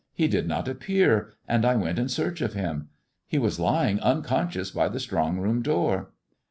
He did not appear, and I went in search of him. He was lying unconscious by the strong room door."